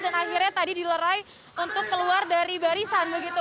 dan akhirnya tadi dilerai untuk keluar dari barisan